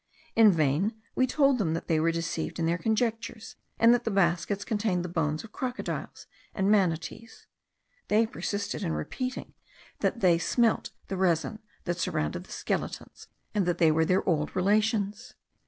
In vain we told them that they were deceived in their conjectures; and that the baskets contained the bones of crocodiles and manatees; they persisted in repeating that they smelt the resin that surrounded the skeletons, and that they were their old relations.